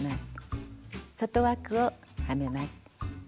外枠をはめます。